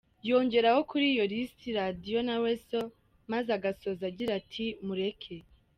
Yongeraho kuri iyo lisiti Radio na Weasel maze agasoza agira ati Mureke.